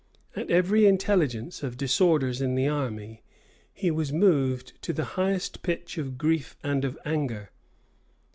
At every intelligence of disorders in the army, he was moved to the highest pitch of grief and of anger.